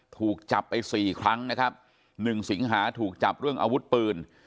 ถูกจับไป๔ครั้งนะครับ๑สิงหาถูกจับเรื่องอาวุธปืน